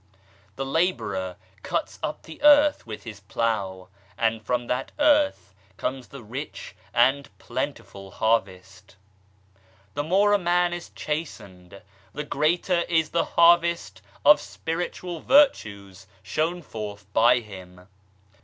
The labourer cuts up the earth with his plough, and from that earth comes the rich and plentiful harvest. The more a man is chastened, the greater is the harvest of spiritual virtues shown forth by him.